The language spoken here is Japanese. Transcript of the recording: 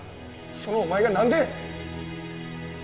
そのお前がなんで！